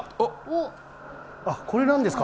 あっ、これなんですか？